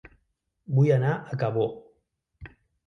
Vull anar a Cabó